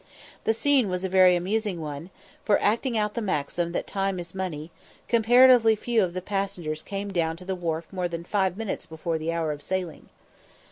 The scene was a very amusing one, for, acting out the maxim that "time is money," comparatively few of the passengers came down to the wharf more than five minutes before the hour of sailing.